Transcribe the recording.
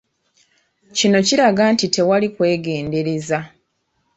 Kino kiraga nti tewali kwegendereza.